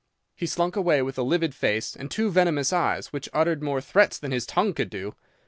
He slunk away with a livid face and two venomous eyes which uttered more threats than his tongue could do.